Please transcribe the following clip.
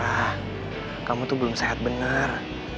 clara kamu tuh belum sehat bener